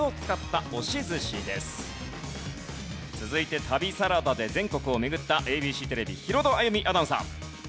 続いて『旅サラダ』で全国を巡ったＡＢＣテレビヒロド歩美アナウンサー。